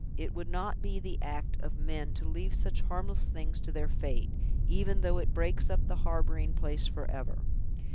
it would not be the act of men to leave such harmless things to their fate, even though it breaks up the harboring place forever.